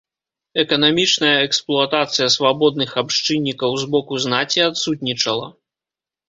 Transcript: Эканамічная эксплуатацыя свабодных абшчыннікаў з боку знаці адсутнічала.